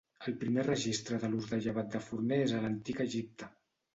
El primer registre de l'ús de llevat de forner és a l'Antic Egipte.